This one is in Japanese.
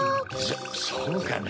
そうかな。